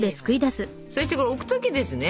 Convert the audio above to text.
そしてこれ置く時ですね